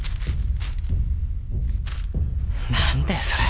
何だよそれ。